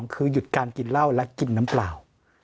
คือหยุดการกินเหล้าและกินน้ำเปล่า